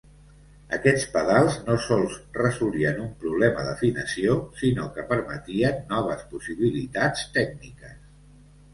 Aquests pedals no sols resolien un problema d'afinació, sinó que permetien noves possibilitats tècniques.